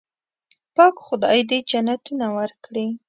پاک خدای دې جنتونه ورکړي.